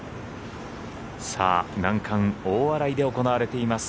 難関・大洗で行われています